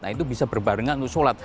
nah itu bisa berbarengan untuk sholat